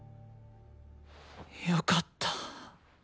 よかった。